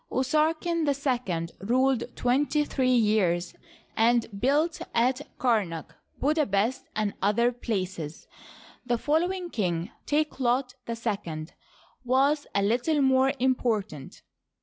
Usarken II ruled twenty three years, and built at Kamak, Bubastis, and other places. The following king, Takelot Ily was a little more important.